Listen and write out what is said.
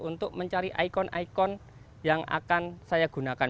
untuk mencari ikon ikon yang akan saya gunakan